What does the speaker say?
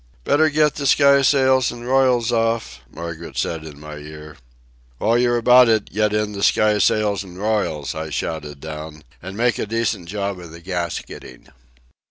"Better get the skysails and royals off," Margaret said in my ear. "While you're about it, get in the skysails and royals!" I shouted down. "And make a decent job of the gasketing!"